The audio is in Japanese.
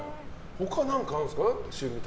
他、何かあるんですか？